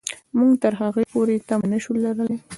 موږ تر هغې پورې تمه نه شو لرلای.